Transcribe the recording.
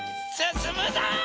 すすむぞ！